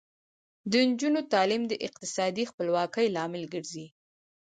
د نجونو تعلیم د اقتصادي خپلواکۍ لامل ګرځي.